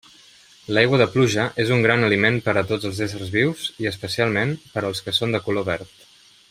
L'aigua de pluja és un gran aliment per a tots els éssers vius i, especialment, per als que són de color verd.